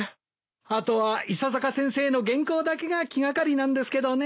あとは伊佐坂先生の原稿だけが気掛かりなんですけどね。